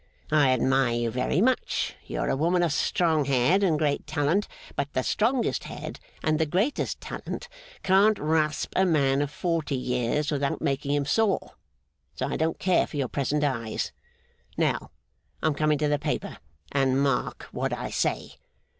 I admire you very much; you are a woman of strong head and great talent; but the strongest head, and the greatest talent, can't rasp a man for forty years without making him sore. So I don't care for your present eyes. Now, I am coming to the paper, and mark what I say.